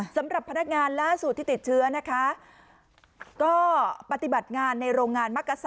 สำหรับพนักงานล่าสุดที่ติดเชื้อนะคะก็ปฏิบัติงานในโรงงานมักกษา